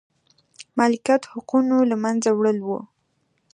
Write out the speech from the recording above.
مالکیت حقونو له منځه وړل و.